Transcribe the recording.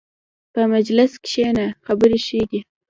په مجلس کښېنه، خبرې ښې دي.